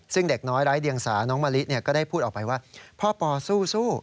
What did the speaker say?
ซึ่งเด็กน้อยไร้เดียงสาน้องมะลิก็ได้พูดออกไปว่าพ่อปอสู้